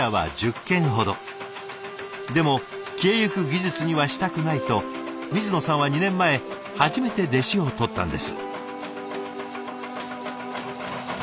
でも消えゆく技術にはしたくないと水野さんは２年前初めて弟子をとったんです。